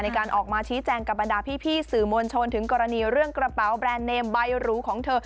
ออกมาชี้แจงกับบรรดาพี่สื่อมวลชนถึงกรณีเรื่องกระเป๋าแบรนด์เนมใบหรูของเธอ